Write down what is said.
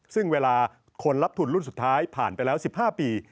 ซึ่งเวลาคนรับทุนรุ่นสุดท้ายผ่านไปแล้ว๑๕ปี